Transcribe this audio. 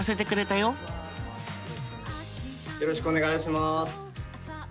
よろしくお願いします。